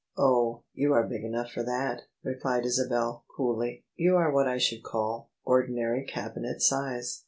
" Ohl you are big enough for that," replied Isabel, coolly: " you are what I should call * ordinary Cabinet size.'